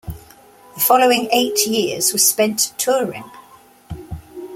The following eight years were spent touring.